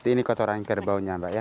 ini kotoran kerbaunya mbak ya